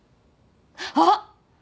あっ！